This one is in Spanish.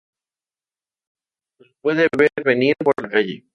Lo puede ver venir por la calle.